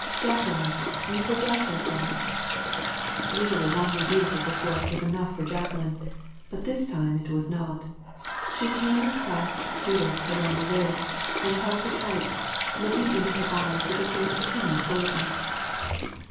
"Jacqueline, you forget yourself." Usually one rebuke of the sort was enough for Jacqueline, but this time it was not. She came and clasped Judith around the waist, and held her tight, looking into her eyes with a sort of timid boldness.